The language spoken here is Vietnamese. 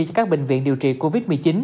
cho các bệnh viện điều trị covid một mươi chín